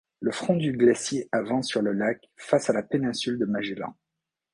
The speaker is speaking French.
Le front du glacier avance sur le lac face à la péninsule de Magellan.